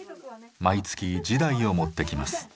毎月地代を持ってきます。